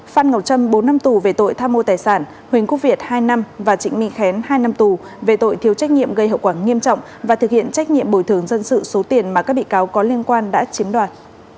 phan ngọc trâm bốn năm tù về tội tham mô tài sản huỳnh quốc việt hai năm và trịnh minh khén hai năm tù về tội thiếu trách nhiệm gây hậu quả nghiêm trọng và thực hiện trách nhiệm bồi thường dân sự số tiền mà các bị cáo có liên quan đã chiếm đoạt